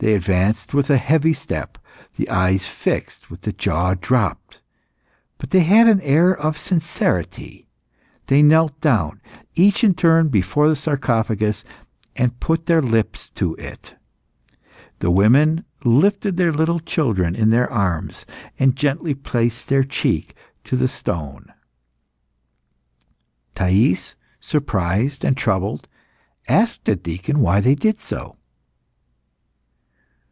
They advanced with a heavy step, the eyes fixed, the jaw dropped, but they had an air of sincerity. They knelt down, each in turn, before the sarcophagus, and put their lips to it. The women lifted their little children in their arms, and gently placed their cheek to the stone. Thais, surprised and troubled, asked a deacon why they did so.